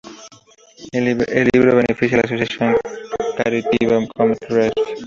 El libro beneficia a la asociación caritativa Comic Relief.